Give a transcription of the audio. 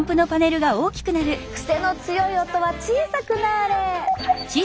クセの強い音は小さくなれ！